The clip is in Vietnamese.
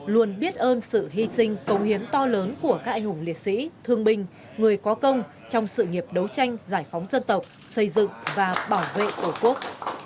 luôn biết ơn sự hy sinh công hiến to lớn của các anh hùng liệt sĩ thương binh người có công trong sự nghiệp đấu tranh giải phóng dân tộc xây dựng và bảo vệ tổ quốc